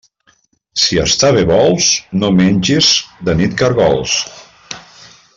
Si estar bé vols, no menges de nit caragols.